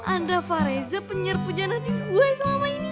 andra fahreza penyerpu janah di gue selama ini